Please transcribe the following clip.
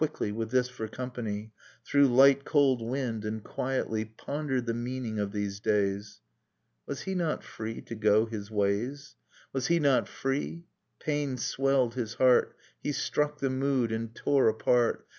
He stept j Quickly, with this for company, \ Through light cold wind, and quietly Pondered the meaning of these days, . Was he not free to go his ways? \ Was he not free? pain swelled his heart, He struck the mood and tore apart.